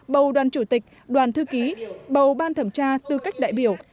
bầu đoàn chủ tịch đoàn thư ký bầu ban thẩm tra tư cách đại biểu